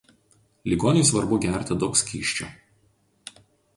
Ligoniui svarbu gerti daug skysčių.